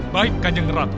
baik kanjeng ratu